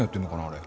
あれ。